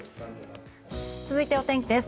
続いてお天気です。